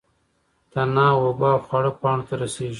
تنه اوبه او خواړه پاڼو ته رسوي